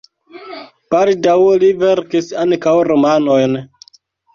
Baldaŭ li verkis ankaŭ romanojn.